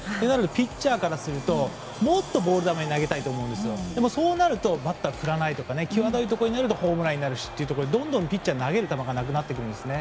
ピッチャーからするともっとボール球で投げたいと思うんですがそうなるとバッター振らないとかホームランになるしってところでどんどんピッチャーが投げる球がなくなってくるんですね。